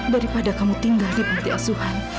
daripada kamu tinggal di panti asuhan